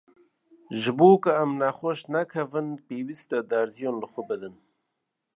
ji bo ku em nexweş nekevin, pêwîst e derziyan li xwe bidin.